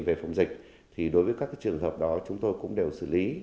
về phòng dịch thì đối với các trường hợp đó chúng tôi cũng đều xử lý